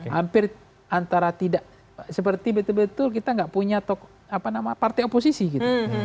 hampir antara tidak seperti betul betul kita nggak punya partai oposisi gitu